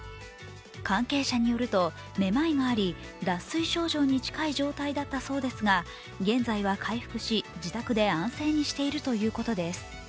関係者によるとめまいがあり、脱水症状に近い状態だったそうですが、現在は回復し、自宅で安静にしているということです。